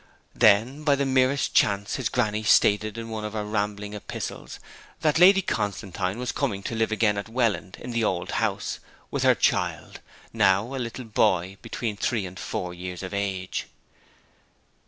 Then by the merest chance his granny stated in one of her rambling epistles that Lady Constantine was coming to live again at Welland in the old house, with her child, now a little boy between three and four years of age.